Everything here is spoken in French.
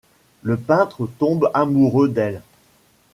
Le peintre tombe amoureux d'elle.